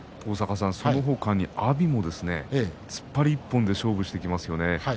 その他に阿炎も突っ張り１本で勝負していきますよね。